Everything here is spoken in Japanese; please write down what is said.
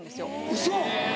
ウソ！